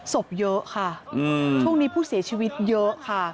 ศพเยอะค่ะช่วงนี้ผู้เสียชีวิตเยอะค่ะ